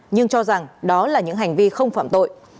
nhưng cho rằng đó là những hành vi không phạm tội